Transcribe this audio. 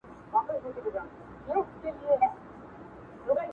له اسمان مي ګيله ده!!